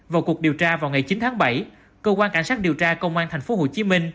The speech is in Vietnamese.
vào cuộc điều tra vào ngày chín tháng bảy cơ quan cảnh sát điều tra công an tp hcm